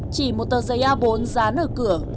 chỉ một tờ giấy a bốn dán ở cửa